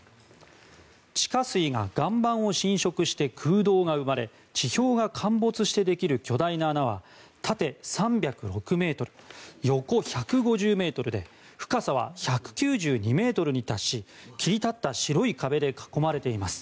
地下水が岩盤を浸食して空洞が生まれ地表が陥没してできる巨大な穴は縦３０６ｍ横１５０ｍで深さは１９２ｍに達し切り立った白い壁で囲まれています。